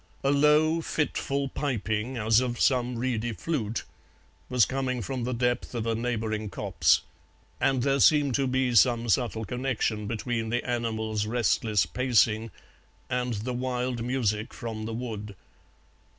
A low, fitful piping, as of some reedy flute, was coming from the depth of a neighbouring copse, and there seemed to be some subtle connection between the animal's restless pacing and the wild music from the wood.